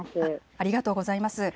ありがとうございます。